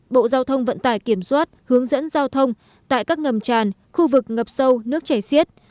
bộ giao thông vận tải kiểm soát hướng dẫn giao thông tại các ngầm tràn khu vực ngập sâu nước chảy xiết